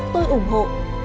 tôi ủng hộ